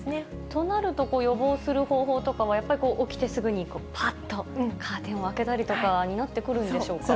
となると、予防する方法とかもやっぱり起きてすぐにぱーっとカーテンを開けたりとかになってくるんでしょうか。